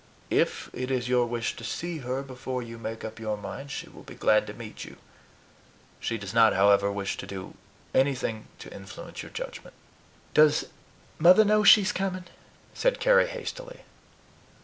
If it is your wish to see her before you make up your mind, she will be glad to meet you. She does not, however, wish to do anything to influence your judgment. "Does Mother know she is coming?" said Carry hastily.